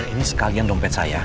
ini sekalian dompet saya